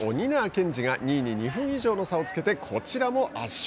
賢治が２位に２分以上の差をつけてこちらも圧勝。